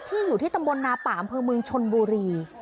อยู่ที่ตำบลนาป่าอำเภอเมืองชนบุรี